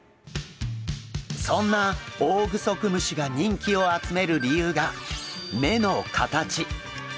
そんなオオグソクムシが人気を集める理由が目の形。